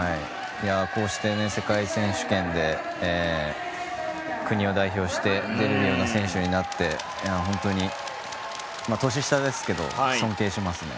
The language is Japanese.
こうして世界選手権で国を代表して出るような選手になって本当に年下ですけど尊敬しますね。